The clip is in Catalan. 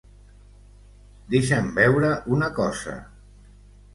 Deixa'm veure una cosa.